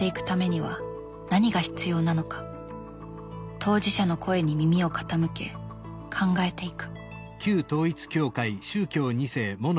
当事者の声に耳を傾け考えていく。